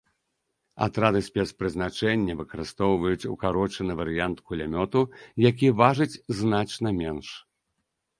Атрады спецпрызначэння выкарыстоўваюць укарочаны варыянт кулямёту, які важыць значна менш.